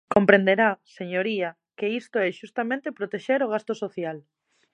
Comprenderá, señoría, que isto é xustamente protexer o gasto social.